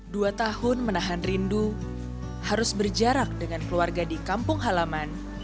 dua tahun menahan rindu harus berjarak dengan keluarga di kampung halaman